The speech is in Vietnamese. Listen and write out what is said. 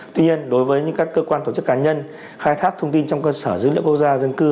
tuy nhiên đối với những các cơ quan tổ chức cá nhân khai thác thông tin trong cơ sở dữ liệu quốc gia dân cư